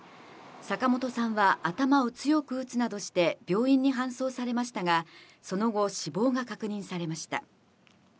坂本さんは頭を強く打つなどして、病院に搬送されましたが、その後、死亡が確認されました。